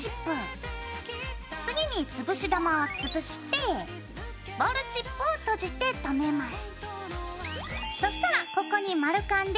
次につぶし玉をつぶしてボールチップを閉じて留めます。